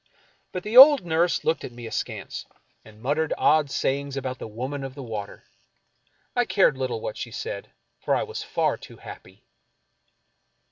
But the old nurse looked at me askance, and muttered odd say 41 American Mystery Stories ings about the Woman of the Water. I cared little what she said, for I was far too happy.